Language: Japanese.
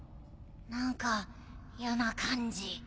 何かやな感じ。